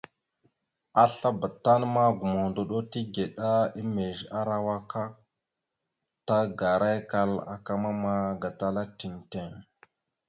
Aslabá tan ma gomohəndoɗo tigəɗá emez arawak aak, tagarakal aka mamma gatala tiŋ tiŋ.